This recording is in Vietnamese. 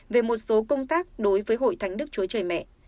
về một số công tác đối với hội thánh đức chúa trời mẹ